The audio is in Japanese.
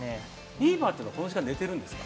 ビーバーってこの時間は寝てるんですか。